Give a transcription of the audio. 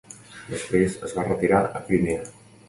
Després es va retirar a Crimea.